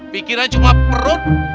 pikirannya cuma perut